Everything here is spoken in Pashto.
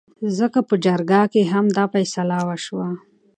ځکه په جرګه کې هم دا فيصله وشوه